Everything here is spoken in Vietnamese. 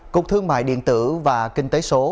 cục thương mại điện tử và kinh tế số